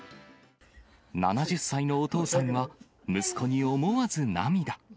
７０歳のお父さんは、息子に思わず涙。